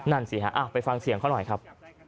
นั่นสิฮะไปฟังเสียงเขาหน่อยครับ